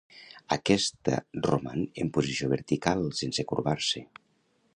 Aquesta roman en posició vertical, sense corbar-se.